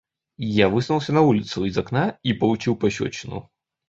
Я высунулся на улицу из окна и получил пощёчину.